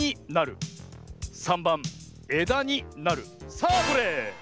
さあどれ？